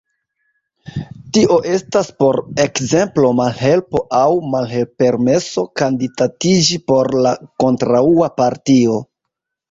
Tio estas por ekzemplo malhelpo aŭ malpermeso kandidatiĝi por la kontraŭa partio.